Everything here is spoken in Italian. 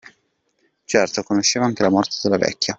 Certo, conosceva anche la morte della vecchia.